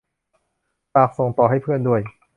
ฝากส่งต่อให้เพื่อนด้วย